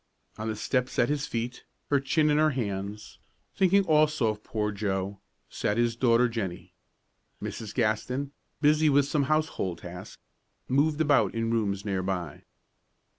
On the steps at his feet, her chin in her hands, thinking also of poor Joe, sat his daughter Jennie. Mrs. Gaston, busy with some household task, moved about in the rooms near by.